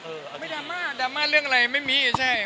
ไม่ดราม่าดราม่าเรื่องอะไรไม่มีใช่